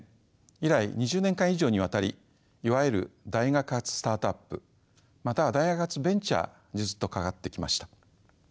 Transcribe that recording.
以来２０年間以上にわたりいわゆる大学発スタートアップまたは大学発ベンチャーにずっと関わってきました。